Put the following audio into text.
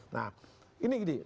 nah ini gini